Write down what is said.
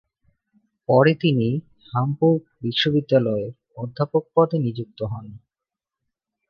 পরে তিনি হামবুর্গ বিশ্ববিদ্যালয়ে অধ্যাপক পদে নিযুক্ত হন।